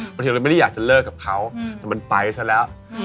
บางทีเราไม่ได้อยากจะเลิกกับเขาแต่มันไปซะแล้ว